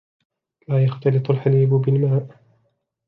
لا يختلط الحليب بالماء.